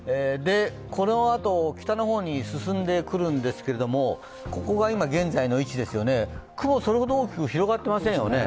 このあと、北の方に進んでくるんですけどここが今、現在の位置ですよね、雲、それほど広がってませんよね。